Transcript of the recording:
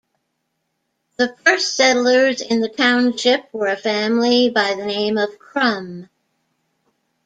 The first settlers in the township were a family by the name of Krum.